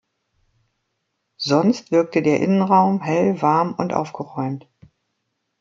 Sonst wirkte der Innenraum hell, warm und aufgeräumt.